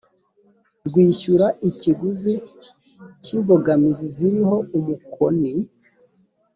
rwishyura ikiguzi cy imbogamizi ziriho umukoni